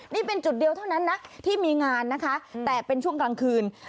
นี่เป็นจุดเดียวเท่านั้นนะที่มีงานนะคะแต่เป็นช่วงกลางคืน